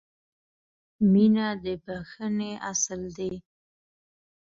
• مینه د بښنې اصل دی.